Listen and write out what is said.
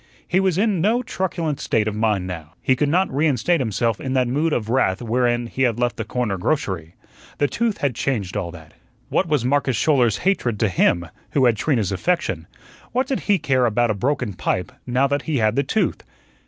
He was in no truculent state of mind now. He could not reinstate himself in that mood of wrath wherein he had left the corner grocery. The tooth had changed all that. What was Marcus Schouler's hatred to him, who had Trina's affection? What did he care about a broken pipe now that he had the tooth?